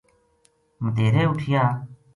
مدیہرے اُٹھیا